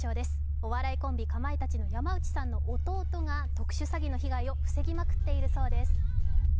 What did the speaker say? お笑いコンビ、かまいたちの山内さんの弟が特殊詐欺の被害を防ぎまくっているそうです。